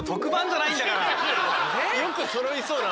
よくそろいそうな。